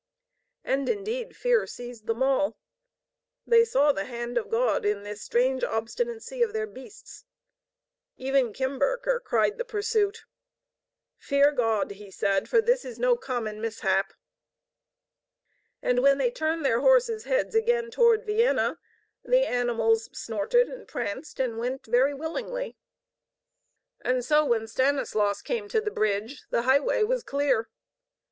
And indeed fear seized them all. They saw the hand of God in this strange obstinancy of their beasts. Even Kimberker cried the pursuit. "Fear God!" he said. "For this is no common mishap!" And when they turned the horses' heads again toward Vienna, the animals snorted and pranced and went very willingly. And so, when Stanislaus came to the bridge, the highway was clear.